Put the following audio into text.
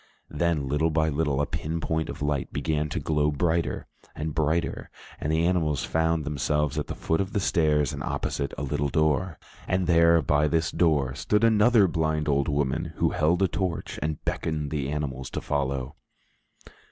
Then, little by little, a pin point of light began to glow brighter and brighter, and the animals found themselves at the foot of the stairs and opposite a little door. And there, by this door, stood another blind old woman, who held a torch and beckoned to the animals to follow.